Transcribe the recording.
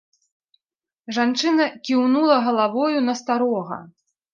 Жанчына кіўнула галавою на старога.